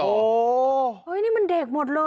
โอ้โหนี่มันเด็กหมดเลยนะ